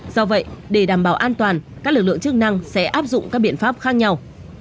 do vậy để đảm bảo an toàn các lực lượng chức năng sẽ áp dụng các biện pháp khác nhau